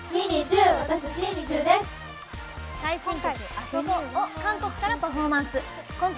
最新曲「ＡＳＯＢＯ」を韓国からパフォーマンス。